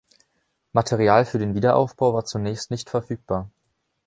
Material für den Wiederaufbau war zunächst nicht verfügbar.